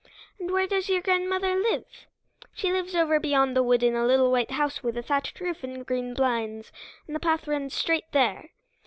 "And where does your grandmother live?" "She lives over beyond the wood in a little white house with a thatched roof and green blinds, and the path runs straight there."